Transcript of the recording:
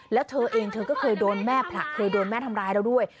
แล้วเธอเองเธอก็เคยโดนแม่ผลักเคยโดนแม่ทำร้ายเราด้วย